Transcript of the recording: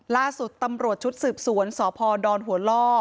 ล่าสุดตำรวจชุดสืบสวนสพดหัวล่อ